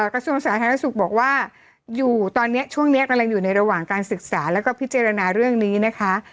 กระทรวงสาธารณสุขบอกว่าอยู่ตอนนี้ช่วงนี้กำลังอยู่ในระหว่างการศึกษาแล้วก็พิจารณาเรื่องนี้นะคะ